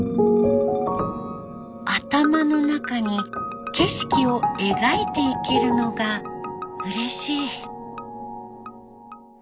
頭の中に景色を描いていけるのがうれしい。